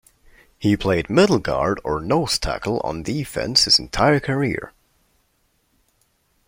He played middle guard or nose tackle on defense his entire career.